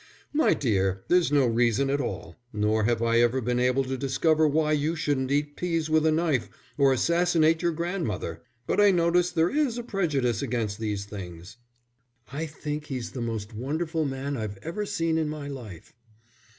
"My dear, there's no reason at all. Nor have I ever been able to discover why you shouldn't eat peas with a knife or assassinate your grandmother. But I notice there is a prejudice against these things." "I think he's the most wonderful man I've ever seen in my life."